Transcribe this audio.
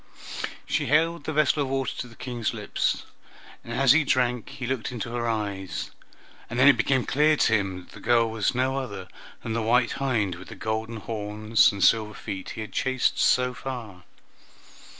She held the vessel of water to the King's lips, and as he drank he looked into her eyes, and then it became clear to him that the girl was no other than the white hind with the golden horns and silver feet he had chased so far.